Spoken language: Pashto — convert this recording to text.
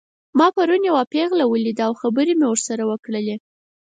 ما پرون یوه پیغله ولیدله او خبرې مې ورسره وکړې